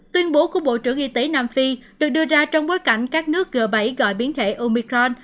tuyên bố của bộ trưởng y tế nam phi được đưa ra trong bối cảnh các nước g bảy gọi biến thể omicron